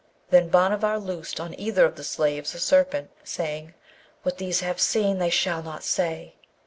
Then Bhanavar loosed on either of the slaves a serpent, saying, 'What these have seen they shall not say.'